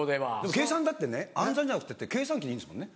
計算だって暗算じゃなくて計算機でいいんですもんね。